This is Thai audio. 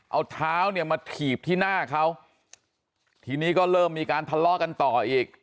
เอาเท้าเนี่ยมาถีบที่หน้าเขาทีนี้ก็เริ่มมีการทะเลาะกันต่ออีก